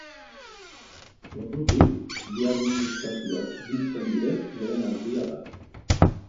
Ordutik, bi administrazioak biltzen diren lehen aldia da.